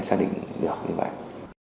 xác định được như vậy